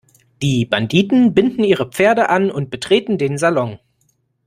Die Banditen binden ihre Pferde an und betreten den Salon.